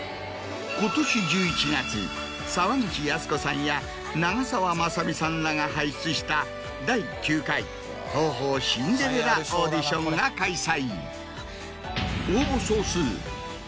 今年１１月沢口靖子さんや長澤まさみさんらが輩出した第９回「東宝シンデレラ」オーディションが開催。